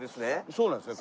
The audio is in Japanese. そうなんですよ。